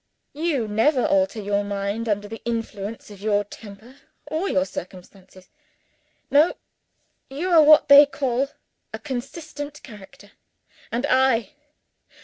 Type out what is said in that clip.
You never alter your mind under the influence of your temper or your circumstances. No: you are, what they call, a consistent character. And I?